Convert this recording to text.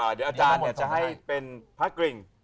เดี๋ยวอาจารย์จะให้เป็นพระกริ่ง